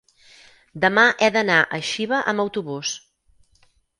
Demà he d'anar a Xiva amb autobús.